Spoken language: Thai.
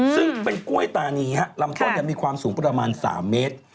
ซึ่งเป็นกล้วยตานีลำต้นมีความสูงประมาณ๓เมตร